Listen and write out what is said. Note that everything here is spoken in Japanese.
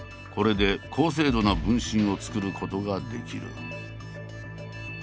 これで高精度な分身を作ることができる。